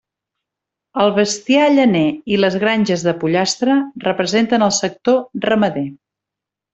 El bestiar llaner i les granges de pollastre representen el sector ramader.